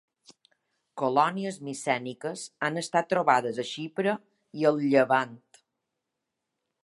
Colònies micèniques han estat trobades a Xipre i al llevant.